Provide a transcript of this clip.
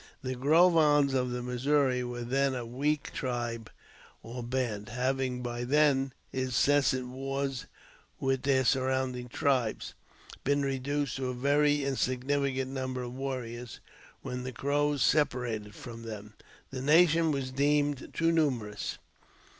The Grovans of the Missouri were then a weak tribe or band, having, by their incessant wars with the surrounding tribes, been reduced to a very insignifi cant number of warriors. When the Crows separated from them, the nation was deemed too numerous.